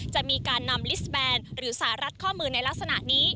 จะมีการนำลิสแบนหรือสารรัดข้อมือในลักษณะนี้